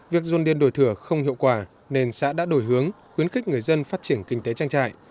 việc dôn điên đổi thừa không hiệu quả nên xã đã đổi hướng khuyến khích người dân phát triển kinh tế trang trại